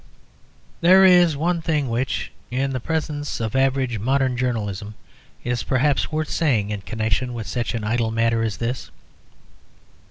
There is one thing which, in the presence of average modern journalism, is perhaps worth saying in connection with such an idle matter as this.